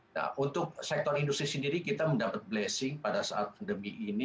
nah untuk sektor industri sendiri kita mendapat blessing pada saat pandemi ini